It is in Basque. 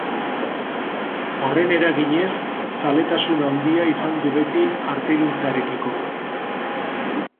Horren eraginez, zaletasun handia izan du beti artegintzarekiko.